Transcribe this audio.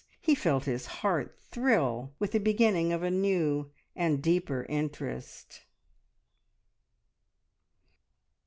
He felt his heart thrill with the beginning of a new and deeper interest.